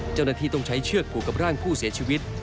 เจ้าหน้าที่ต้องใช้เชือกผูกกับร่างผู้เสียชีวิต